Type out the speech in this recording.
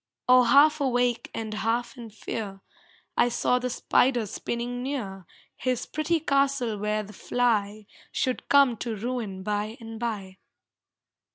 Or half awake, and half in fear, I saw the spider spinning near His pretty castle where the fly Should come to ruin by and by.